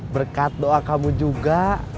berkat doa kamu juga